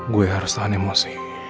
gue harus tahan emosi